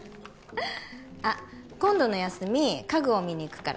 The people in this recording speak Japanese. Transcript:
あっ今度の休み家具を見にいくから